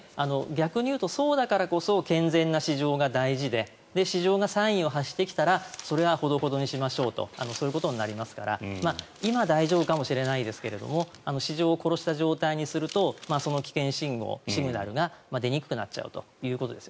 逆に言うと、そうだからこそ健全な市場が大事で市場がサインを発してきたらそれはほどほどにしましょうとそういうことになりますから今、大丈夫かもしれないですが市場を殺した状態にするとその危険信号、シグナルが出にくくなっちゃうと。